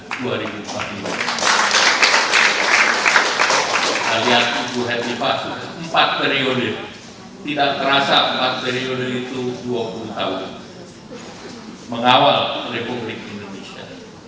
kalian ibu henti pasus empat periode tidak terasa empat periode itu dua puluh tahun mengawal republik indonesia